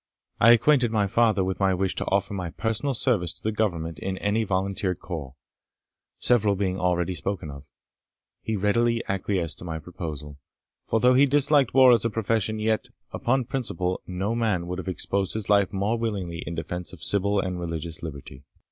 I acquainted my father with my wish to offer my personal service to the Government in any volunteer corps, several being already spoken of. He readily acquiesced in my proposal; for though he disliked war as a profession, yet, upon principle, no man would have exposed his life more willingly in defence of civil and religious liberty.